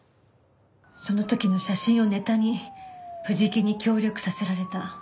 その時の写真をネタに藤木に協力させられた。